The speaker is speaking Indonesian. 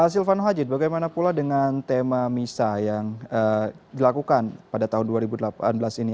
silvano hajid bagaimana pula dengan tema misa yang dilakukan pada tahun dua ribu delapan belas ini